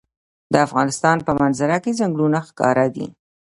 د افغانستان په منظره کې ځنګلونه ښکاره ده.